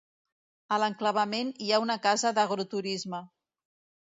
A l'enclavament hi ha una casa d'agroturisme.